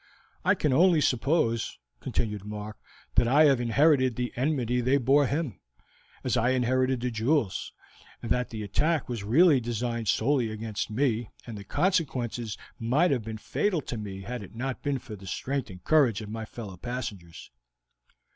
"I can only suppose," continued Mark, "that I have inherited the enmity they bore him, as I inherited the jewels, and that the attack was really designed solely against me, and the consequences might have been fatal to me had it not been for the strength and courage of my fellow passengers."